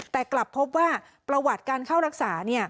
แต่กลับพบว่าประวัติการเข้ารักษา